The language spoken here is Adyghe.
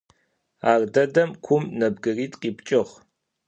Ar dedem kum nebgırit'u khipç'ığ.